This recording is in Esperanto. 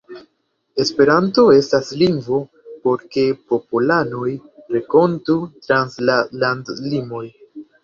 Esperanto estas lingvo por ke popolanoj renkontu trans la landlimoj.